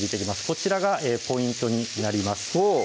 こちらがポイントになります